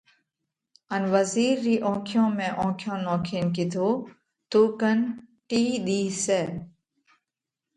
ان وزِير رِي اونکيون ۾ اونکيون نوکينَ ڪِيڌو: تُون ڪنَ ٽِيه ۮِي سئہ۔